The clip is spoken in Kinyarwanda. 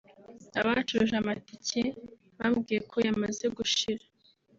abacuruje amatike bambwiye ko yamaze gushira